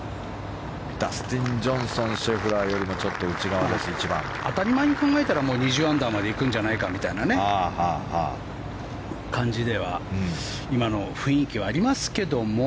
ダスティン・ジョンソンはシェフラーよりも当たり前に考えたら２０アンダーまで行くんじゃないかみたいな今の雰囲気はありますけども。